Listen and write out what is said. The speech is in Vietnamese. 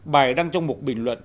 bài đăng trong một bình luận